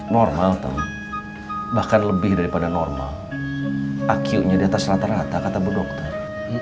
normal bahkan lebih daripada normal akhirnya diatas rata rata kata berdoktor